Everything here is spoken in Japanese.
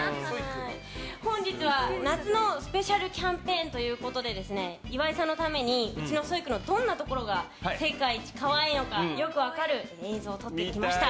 本日は夏のスペシャルキャンペーンということで岩井さんのためにうちのソイ君のどんなところが世界一可愛いのかよく分かる映像を撮ってきました。